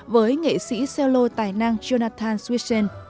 với nghệ sĩ xe lô tài năng jonathan swishen